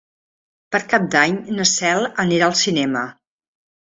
Per Cap d'Any na Cel anirà al cinema.